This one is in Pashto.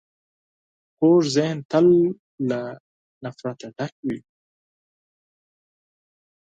کوږ ذهن تل له نفرت نه ډک وي